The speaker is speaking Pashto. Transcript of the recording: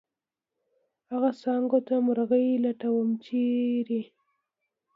هغه څانګو ته مرغي لټوم ، چېرې؟